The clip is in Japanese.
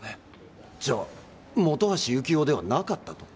じゃあ本橋幸雄ではなかったと？